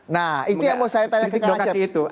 nah itu yang mau saya tanya ke kang asep